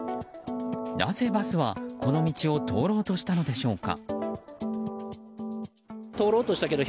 なぜバスは、この道を通ろうとしたのでしょうか。